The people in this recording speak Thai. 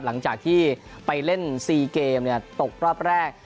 หลังจากที่ไปเล่น๔เกมตกรอบแรก